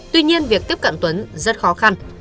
tuy nhiên việc tiếp cận tuấn rất khó khăn